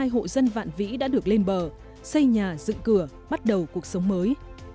hai mươi hộ dân vạn vĩ đã được lên bờ xây nhà dựng cửa bắt đầu cuộc sống mới